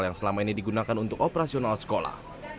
yang selama ini digunakan untuk membeli kuota internet gratis